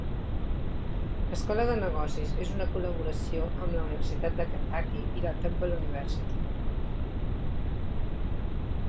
L'escola de negocis és una col·laboració amb la Universitat de Kentucky i la Temple University.